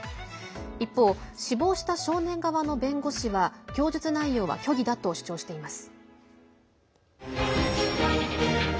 一方、死亡した少年側の弁護士は供述内容は虚偽だと主張しています。